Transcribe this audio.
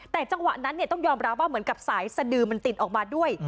แต่จังหวะนั้นต้องยอมรับว่าเหมือนกับสายสดือมันติดออกมาด้วย